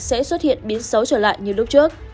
sẽ xuất hiện biến xấu trở lại như lúc trước